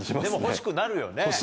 でも欲しくなるよね。